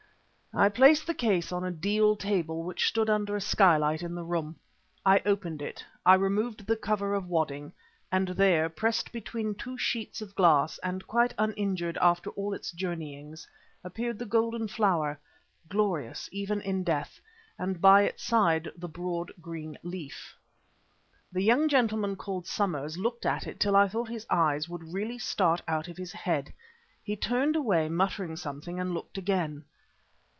I placed the case on a deal table which stood under a skylight in the room. I opened it; I removed the cover of wadding, and there, pressed between two sheets of glass and quite uninjured after all its journeyings, appeared the golden flower, glorious even in death, and by its side the broad green leaf. The young gentleman called Somers looked at it till I thought his eyes would really start out of his head. He turned away muttering something and looked again.